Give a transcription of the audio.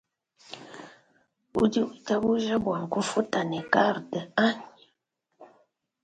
Udi witabuja bua nkufuta ne karte anyi ?